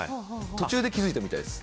途中で気づいたみたいです。